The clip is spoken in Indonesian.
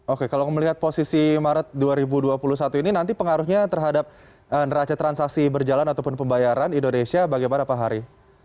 oke kalau melihat posisi maret dua ribu dua puluh satu ini nanti pengaruhnya terhadap neraca transaksi berjalan ataupun pembayaran indonesia bagaimana pak hari